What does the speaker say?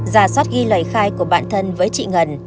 giả soát ghi lời khai của bản thân với chị ngân